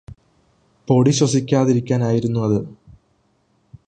പൊടി ശ്വസിക്കാതിരിക്കാനായിരുന്നു അത്